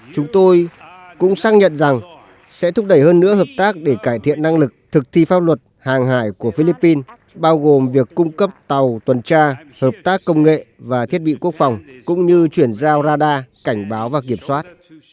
chúng tôi cũng xác nhận rằng sẽ thúc đẩy hơn nữa hợp tác để cải thiện năng lực thực thi pháp luật hàng hải của philippines bao gồm việc cung cấp tàu tuần tra hợp tác công nghệ và thiết bị quốc phòng cũng như chuyển giao radar cảnh báo và kiểm soát